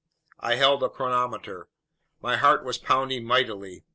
I held the chronometer. My heart was pounding mightily.